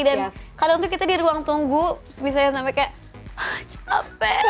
dan kadang kadang kita di ruang tunggu bisa sampai kayak capek